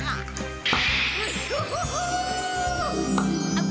あっ。